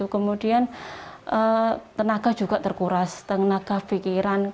kemudian tenaga juga terkuras tenaga pikiran